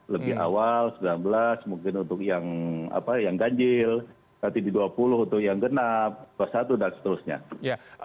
lebih awal sembilan belas mungkin untuk yang ganjil nanti di dua puluh untuk yang genap dua puluh satu dan seterusnya